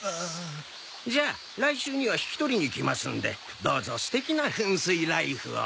じゃあ来週には引き取りに来ますのでどうぞ素敵な噴水ライフを！